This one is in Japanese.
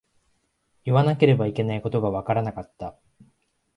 言わなければいけないことがわからなかった。